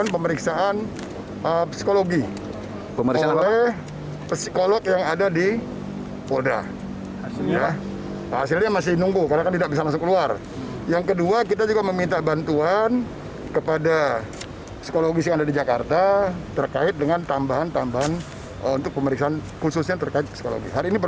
pemeriksaan kejiwaan terhadap herianti terkait dengan tambahan tambahan untuk pemeriksaan khususnya terkait psikologi